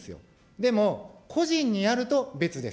でも個人にやると別です。